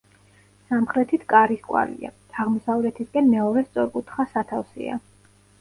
სამხრეთით კარის კვალია, აღმოსავლეთისკენ მეორე სწორკუთხა სათავსია.